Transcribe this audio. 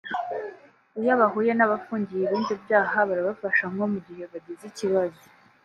Iyo bahuye n’abafungiye ibindi byaha barabafasha nko mu gihe bagize ikibazo